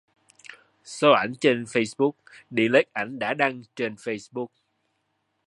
Xoá ảnh trên Facebook, delete ảnh đã đăng trên Facebook